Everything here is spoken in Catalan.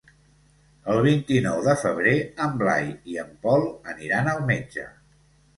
El vint-i-nou de febrer en Blai i en Pol aniran al metge.